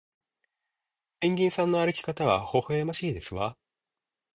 ペンギンさんの歩き方はほほえましいですわ